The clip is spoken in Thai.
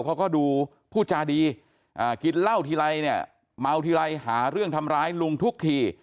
เขาก็ดูผู้จาดีกินเหล้าทีไรเนี่ยเมาทีไรหาเรื่องทำร้ายลุงทุกที